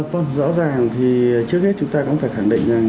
vâng rõ ràng thì trước hết chúng ta cũng phải khẳng định rằng